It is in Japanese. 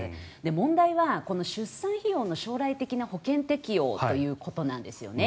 問題は、出産費用の将来的な保険適用ということなんですよね。